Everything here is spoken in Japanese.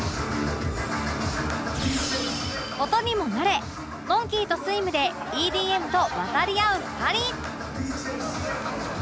音にも慣れモンキーとスイムで ＥＤＭ と渡り合う２人